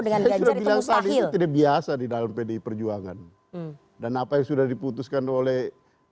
dengan gajah itu mustahil biasa di dalam pedi perjuangan dan apa yang sudah diputuskan oleh